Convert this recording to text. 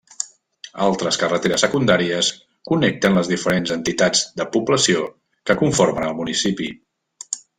Altres carreteres secundàries connecten les diferents entitats de població que conformen el municipi.